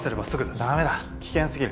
ダメだ危険すぎる。